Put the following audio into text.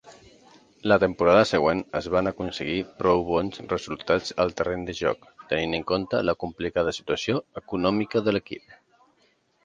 La temporada següent es van aconseguir prou bons resultats al terreny de joc, tenint en compte la complicada situació econòmica de l'equip.